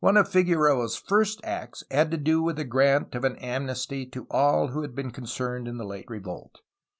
One of Figueroa^s first acts had to do with the grant of an amnesty to all who had been concerned in the late revolt.